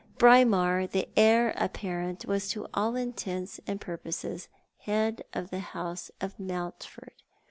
Braemar, the heir apparent, was to all intents and purposes head of the house of Mountford.